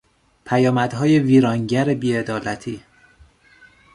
پیامدهای ویرانگر بیعدالتی